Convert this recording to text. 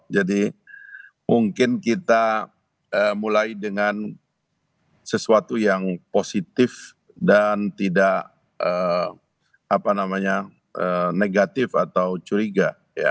jadi mungkin kita mulai dengan sesuatu yang positif dan tidak negatif atau curiga